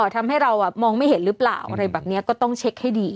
ทำให้เรามองไม่เห็นหรือเปล่าอะไรแบบนี้ก็ต้องเช็คให้ดี